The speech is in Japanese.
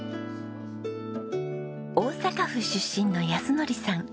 大阪府出身の靖典さん。